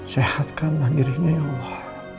sehatkanlah dirinya ya allah